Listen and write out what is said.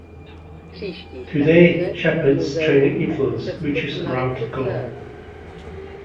Today, Sheppard's training influence reaches around the globe.